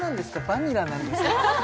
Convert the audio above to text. バニラなんですか？